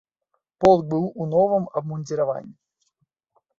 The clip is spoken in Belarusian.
Полк быў у новым абмундзіраванні.